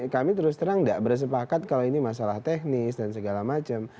kami terus terang tidak bersepakat kalau ini masalah teknis dan segala macam